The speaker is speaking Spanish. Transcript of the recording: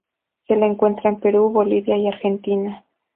Se le encuentra en Perú, Bolivia y Argentina.